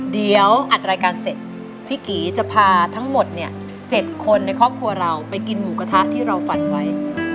เดี๋ยวอัดรายการเสร็จพี่กีจะพาทั้งหมด๗คนในครอบครัวเราไปกินหมูกระทะที่เราฝันไว้